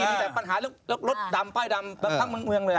มีแต่ปัญหารถดำป้ายดำทั้งเมืองเลย